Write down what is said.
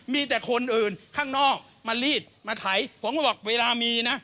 มีแต่คนอื่นข้างนอกมารีดมาไถผมก็บอกเวลามีนะ